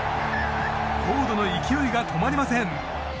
フォードの勢いが止まりません。